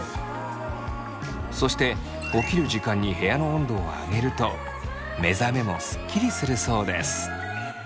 そして起きる時間に部屋の温度を上げると目覚めもスッキリするそうです。